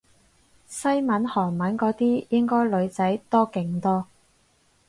西文韓文嗰啲應該女仔多勁多